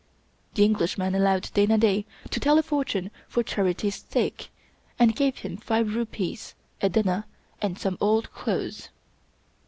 The Englishman allowed Dana Da to tell a fortune for charity's sake, and gave him five rupees, a dinner, and some old clothes.